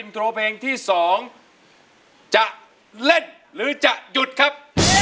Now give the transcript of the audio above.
โต๊ะเรืออากาศสองบาทอินโจรส์เพลงที่สองจะเล่นหรือจะหยุดครับ